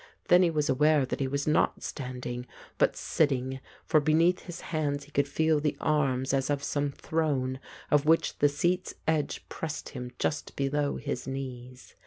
Then he was aware that he was not stand ing, but sitting, for beneath his hands he could feel the arms as of some throne, of which the seat's edge pressed him just below his knees.